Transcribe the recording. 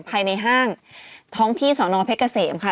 ภายในห้างท้องที่สอนอเพชรเกษมค่ะ